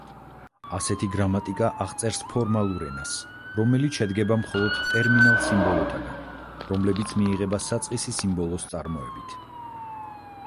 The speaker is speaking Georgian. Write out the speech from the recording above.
ასეთი გრამატიკა აღწერს ფორმალურ ენას, რომელიც შედგება მხოლოდ ტერმინალ–სიმბოლოთაგან, რომლებიც მიიღება საწყისი სიმბოლოს წარმოებით.